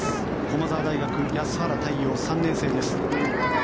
駒澤大学、安原太陽３年生です。